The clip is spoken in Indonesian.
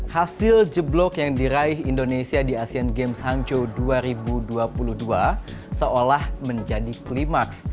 hasil jeblok yang diraih indonesia di asean games hangzhou dua ribu dua puluh dua seolah menjadi klimaks